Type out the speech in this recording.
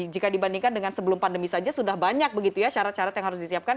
jika dibandingkan dengan sebelum pandemi saja sudah banyak begitu ya syarat syarat yang harus disiapkan